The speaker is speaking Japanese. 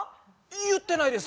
言ってないです。